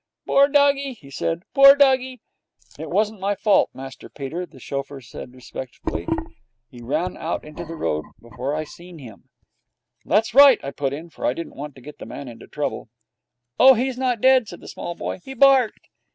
'Poor doggie,' he said, 'poor doggie.' 'It wasn't my fault, Master Peter,' said the chauffeur respectfully. 'He run out into the road before I seen him.' 'That's right,' I put in, for I didn't want to get the man into trouble. 'Oh, he's not dead,' said the small boy. 'He barked.'